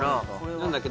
何だっけ？